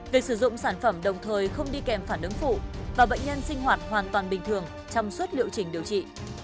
việc sử dụng sản phẩm đồng thời không đi kèm phản ứng phụ và bệnh nhân sinh hoạt hoàn toàn bình thường trong suốt liệu trình điều trị